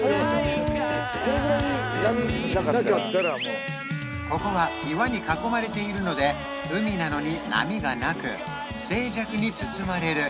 これぐらい波なかったらなかったらもうここは岩に囲まれているので海なのに波がなく静寂に包まれる